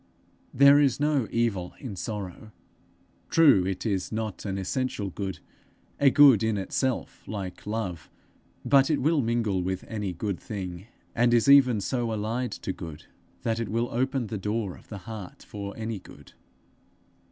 There is no evil in sorrow. True, it is not an essential good, a good in itself, like love; but it will mingle with any good thing, and is even so allied to good that it will open the door of the heart for any good.